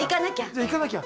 じゃ行かなきゃ。